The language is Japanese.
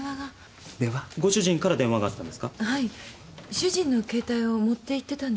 主人の携帯を持って行ってたんです。